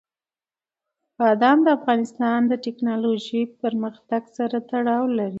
بادام د افغانستان د تکنالوژۍ پرمختګ سره تړاو لري.